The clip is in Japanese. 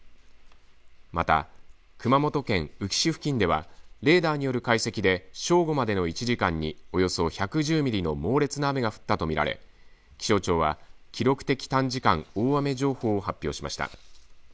また、熊本県宇城市付近ではレーダーによる解析で正午までの１時間におよそ１１０ミリの猛烈な雨が降ったとみられ気象庁は記録的短時間大雨情報を発表しました。